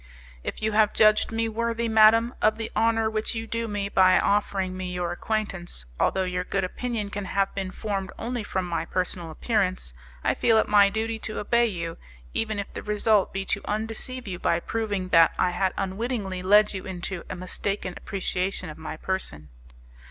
"If you have judged me worthy, madam, of the honour which you do me by offering me your acquaintance, although your good opinion can have been formed only from my personal appearance, I feel it my duty to obey you, even if the result be to undeceive you by proving that I had unwittingly led you into a mistaken appreciation of my person.